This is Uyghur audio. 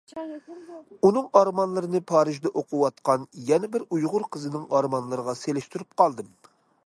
ئۇنىڭ ئارمانلىرىنى پارىژدا ئوقۇۋاتقان يەنە بىر ئۇيغۇر قىزىنىڭ ئارمانلىرىغا سېلىشتۇرۇپ قالدىم.